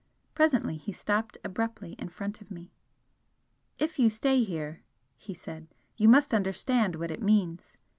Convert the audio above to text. Presently he stopped abruptly in front of me. "If you stay here," he said "you must understand what it means.